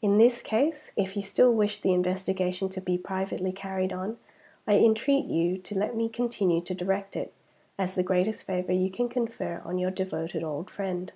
In this case, if you still wish the investigation to be privately carried on, I entreat you to let me continue to direct it, as the greatest favor you can confer on your devoted old friend.